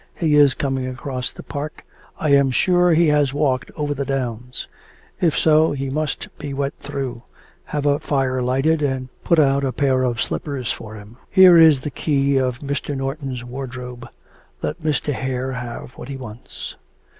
He is coming across the park. I am sure he has walked over the downs; if so, he must be wet through. Have a fire lighted, and put out a pair of slippers for him: Here is the key of Mr. Norton's wardrobe; let Mr. Hare have what he wants.'